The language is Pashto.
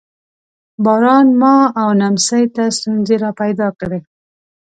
باران ما او نمسۍ ته ستونزې را پیدا کړې.